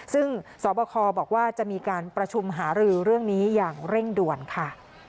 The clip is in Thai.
ซึ่งสบคบอกว่าจะมีการประชุมหารือเรื่องนี้อย่างเร่งด่วนค่ะ